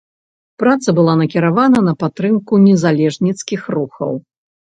Праца была накіравана на падтрымку незалежніцкіх рухаў.